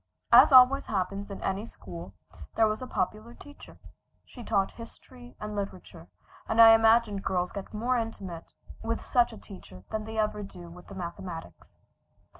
As always happens in any school there was a popular teacher. She taught history and literature, and I imagine girls get more intimate with such a teacher than they ever do with the mathematics.